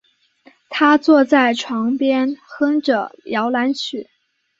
她坐在床边哼着摇篮曲